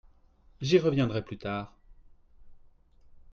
J’y reviendrai plus tard.